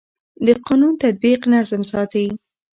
د قانون تطبیق نظم ساتي